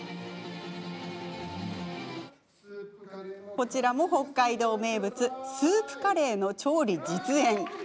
こちらも北海道名物スープカレーの調理、実演。